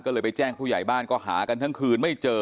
ก็เลยไปแจ้งผู้ใหญ่บ้านก็หากันทั้งคืนไม่เจอ